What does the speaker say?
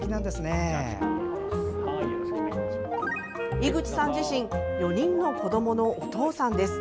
井口さん自身４人の子どものお父さんです。